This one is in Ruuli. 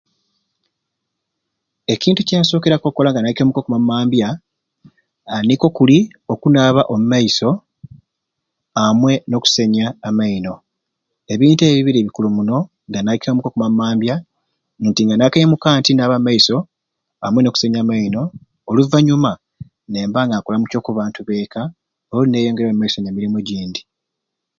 Ekintu kyensookeraku okukola nga naakaimuka oku maamambya nikwo kuli okunaaba omu maiso amwe n'okusenya amaino ebintu ebyo ebibiri bikulu muno nga naakaimuka oku maamambya nti nga naakaimuka nti naaba amaiso amwe n'okusenya amaino oluvanyuma nemba nga nkulaca abantu ab'eka olwo nineyongerayo omu maiso n'emirimu egindi.